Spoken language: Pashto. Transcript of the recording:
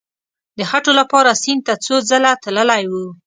د خټو لپاره سیند ته څو ځله تللی وو.